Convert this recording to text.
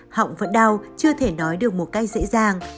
họng vẫn đau chưa thể nói được một cách dễ dàng